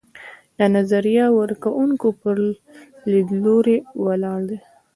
دا د نظریه ورکوونکو پر لیدلورو ولاړ دی.